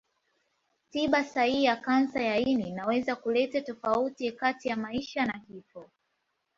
Tiba sahihi ya kansa ya ini inaweza kuleta tofauti kati ya maisha na kifo.